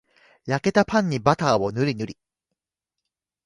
焼けたパンにバターぬりぬり